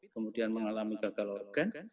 kemudian mengalami gagal organ